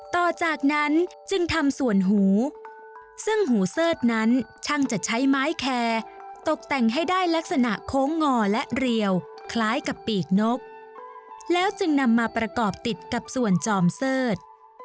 ต่อจากนั้นจึงทำส่วนหูซึ่งหูเสิร์ธนั้นช่างจะใช้ไม้แคร์ตกแต่งให้ได้ลักษณะโค้งงอและเรียวคล้ายกับปีกนกแล้วจึงนำมาประกอบติดกับส่วนจอมเสิร์ช